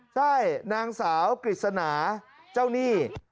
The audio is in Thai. ใช่นางสาวกฤษณาเจ้าหนี้